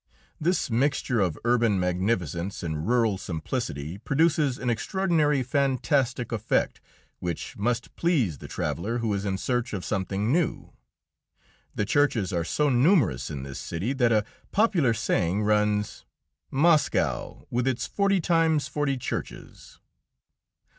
This mixture of urban magnificence and rural simplicity produces an extraordinary, fantastic effect, which must please the traveller who is in search of something new. The churches are so numerous in this city that a popular saying runs: "Moscow with its forty times forty churches."